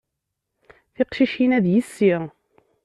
Tiqcicin-a d yessi.